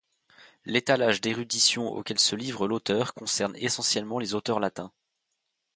L'étalage d'érudition auquel se livre l'auteur concerne essentiellement les auteurs latins.